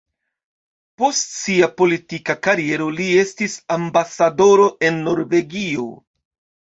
Post sia politika kariero li estis ambasadoro en Norvegio.